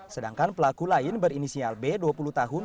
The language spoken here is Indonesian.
sedangkan pelaku lain berinisial b dua puluh tahun